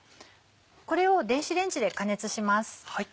これを電子レンジで加熱します。